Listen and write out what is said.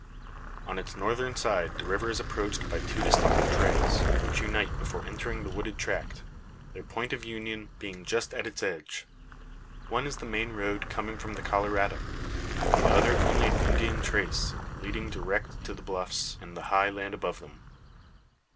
On its northern side the river is approached by two distinct trails, which unite before entering the wooded tract their point of union being just at its edge. One is the main road coming from the Colorado; the other only an Indian trace, leading direct to the bluffs and the high land above them.